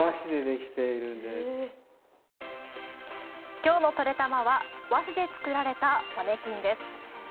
きょうの「トレたま」は和紙で作られたマネキンです。